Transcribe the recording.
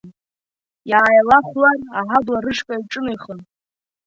Иааилахәлар аҳабла рышҟа иҿынеихон.